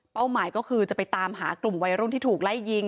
หมายก็คือจะไปตามหากลุ่มวัยรุ่นที่ถูกไล่ยิง